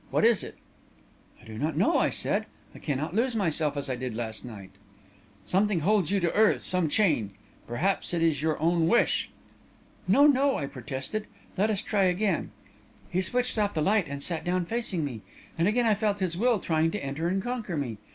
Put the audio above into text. What is it?' "'I do not know,' I said. 'I cannot lose myself as I did last night.' "'Something holds you to earth some chain. Perhaps it is your own wish.' "'No, no!' I protested. 'Let us try again.' "He switched off the light and sat down facing me, and again I felt his will trying to enter and conquer me.